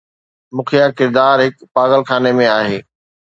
مکيه ڪردار هڪ پاگل خاني ۾ آهي.